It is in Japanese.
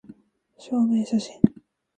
証明写真